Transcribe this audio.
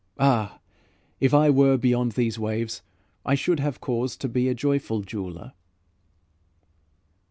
Ah! if I were Beyond these waves, I should have cause To be a joyful jeweler."